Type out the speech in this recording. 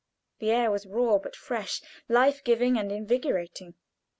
The air was raw, but fresh, life giving and invigorating.